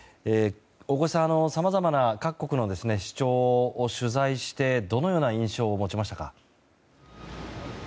大越さん、さまざまな各国の主張を取材してどのような印象を持ちましたか。